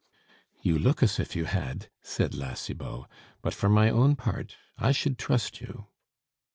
"You look as if you had," said La Cibot; "but, for my own part, I should trust you."